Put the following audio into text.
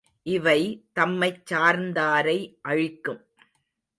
இவை தம்மைச் சார்ந்தாரை அழிக்கும்.